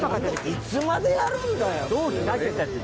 いつまでやるんだよっていう。